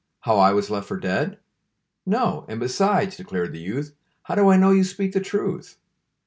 How I was left for dead?" "No. And, besides," declared the youth, "How do I know you speak the truth?"